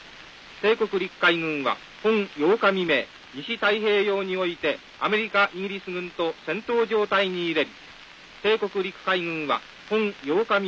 帝国陸海軍は本８日未明西太平洋においてアメリカイギリス軍と戦闘状態に入れり。